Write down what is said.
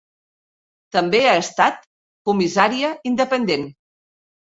També ha estat comissària independent.